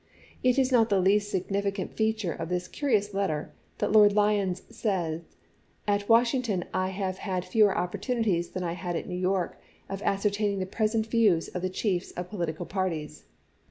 It is not the least significant feature of this curious letter that Lord Lyons said, "At Washing ton I have had fewer opportunities than I had at New York of ascertaining the present views of the chiefs of political parties."